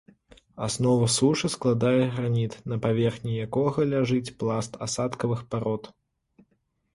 Аснову сушы складае граніт, на паверхні якога ляжыць пласт асадкавых парод.